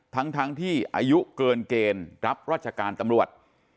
ทั้งที่อายุเกินเกณฑ์รับราชการตำรวจ